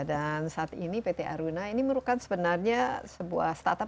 dan saat ini pt aruna ini merupakan sebenarnya sebuah startup